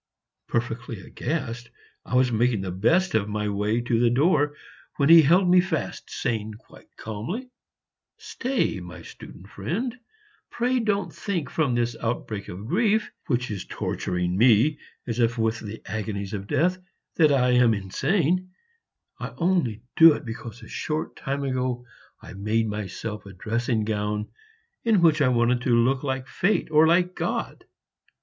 Perfectly aghast, I was making the best of my way to the door, when he held me fast, saying quite calmly, "Stay, my student friend, pray don't think from this outbreak of grief, which is torturing me as if with the agonies of death, that I am insane; I only do it because a short time ago I made myself a dressing gown in which I wanted to look like Fate or like God!"